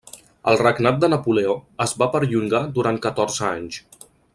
El regnat de Napoleó es va perllongar durant catorze anys.